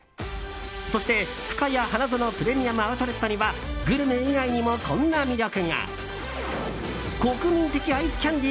そして、ふかや花園プレミアム・アウトレットにはグルメ以外にもこんな魅力が。